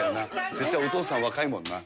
絶対、お父さん、若いもんな。